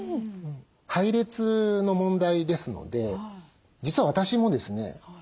配列の問題ですので実は私もですね